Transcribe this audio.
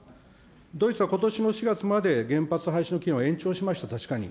ドイツはことしの４月まで、原発廃止の期限を延長しました、確かに。